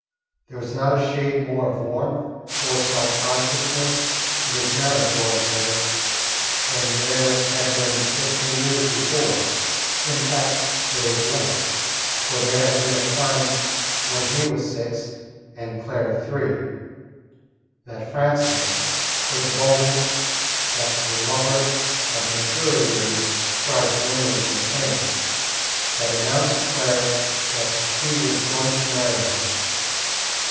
There was not a shade more of warmth or self consciousness in his manner towards her than there had been fifteen years before. In fact, there was less, for there had been a time, when he was six and Claire three, that Francis, with a boldness that the lover of maturer years tries vainly to attain, had announced to Claire that he was going to marry her.